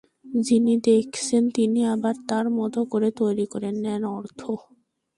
যিনি দেখছেন তিনি আবার তাঁর মতো করে তৈরি করে নেন অর্থ।